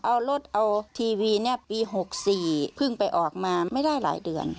เอารถเอาทีวีเนี่ยปี๖๔เพิ่งไปออกมาไม่ได้หลายเดือน